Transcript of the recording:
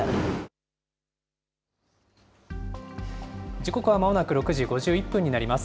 時刻はまもなく６時５１分になります。